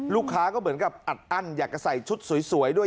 ลูกค้าก็เหมือนกับอัดอั้นอยากจะใส่ชุดสวยด้วย